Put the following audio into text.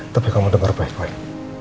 tapi kamu dengar baik baik